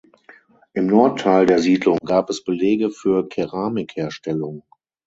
Im Nordteil der Siedlung gab es Belege für Keramikherstellung.